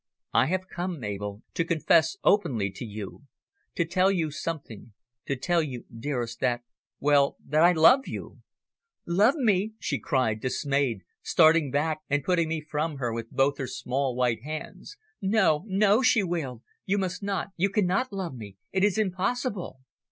I have come, Mabel, to confess openly to you, to tell you something to tell you, dearest, that well, that I love you!" "Love me!" she cried, dismayed, starting back, and putting me from her with both her small, white hands. "No! no!" she wailed. "You must not you cannot love me. It is impossible!"